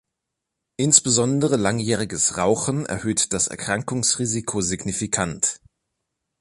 Insbesondere langjähriges Rauchen erhöht das Erkrankungsrisiko signifikant.